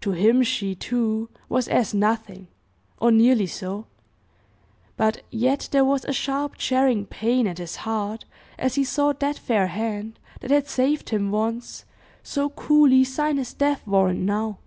To him she, too, was as nothing, or nearly so; but yet there was a sharp jarring pain at his heart, as he saw that fair hand, that had saved him once, so coolly sign his death warrant now.